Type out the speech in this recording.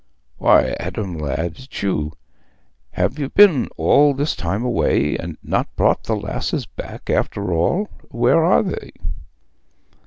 "Why, Adam, lad, is't you? Have ye been all this time away and not brought the lasses back, after all? Where are they?"